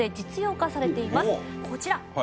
こちら！